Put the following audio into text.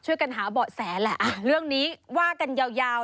ช่วยกันหาเบาะแสแหละเรื่องนี้ว่ากันยาวยาว